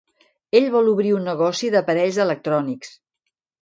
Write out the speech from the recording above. Ell vol obrir un negoci d'aparells electrònics.